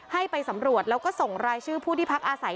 ให้ไปสำรวจแล้วก็ส่งรายชื่อผู้ที่พักอาศัย